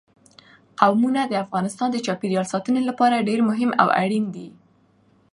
قومونه د افغانستان د چاپیریال ساتنې لپاره ډېر مهم او اړین دي.